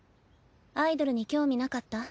アイドルに興味なかった？